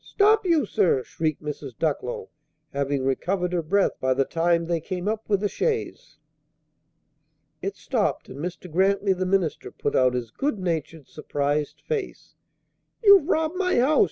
Stop, you, sir!" shrieked Mrs. Ducklow, having recovered her breath by the time they came up with the chaise. It stopped, and Mr. Grantly, the minister, put out his good natured, surprised face. "You've robbed my house!